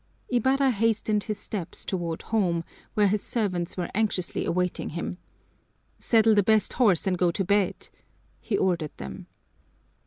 Ibarra hastened his steps toward home, where his servants were anxiously awaiting him. "Saddle the best horse and go to bed!" he ordered them.